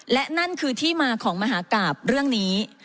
และนั่นคือที่มาของมหากราบเรื่องนี้